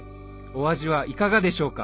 お味はいかがでしょうか？